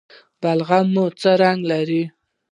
بلغم مو څه رنګ لري؟